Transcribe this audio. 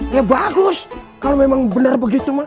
ya bagus kalau memang benar begitu mah